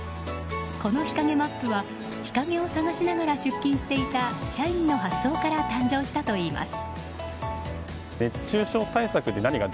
この日陰マップは日陰を探しながら出勤していた社員の発想から誕生したといいます。